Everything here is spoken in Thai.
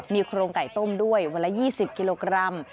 มีโครงไก่ต้มด้วยวันละ๒๐กิโลกรัม